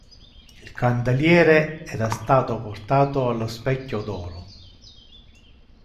Il candeliere era stato portato allo Specchio d'Oro.